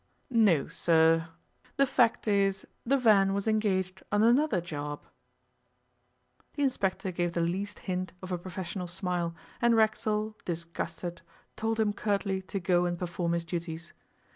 'No, sir. The fact is the van was engaged on another job.' The inspector gave the least hint of a professional smile, and Racksole, disgusted, told him curtly to go and perform his duties.